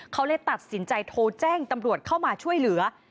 เขาเลยตัดสินใจโทรแจ้งตำรวจเข้ามาช่วยเหลือ